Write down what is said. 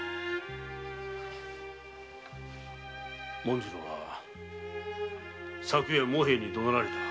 紋次郎は昨夜茂平にどなられた。